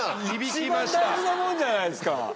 一番大事なものじゃないですか。